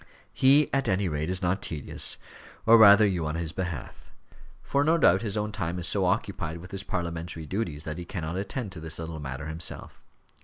He, at any rate, is not tedious or rather you on his behalf; for no doubt his own time is so occupied with his parliamentary duties that he cannot attend to this little matter himself.